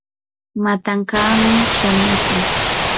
matankaami shanaykan.